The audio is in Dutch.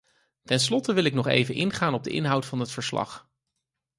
Ten slotte wil ik nog even ingaan op de inhoud van het verslag.